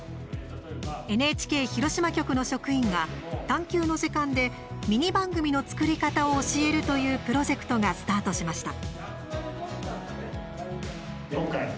ＮＨＫ広島局の職員が探究の時間でミニ番組の作り方を教えるというプロジェクトがスタートしました。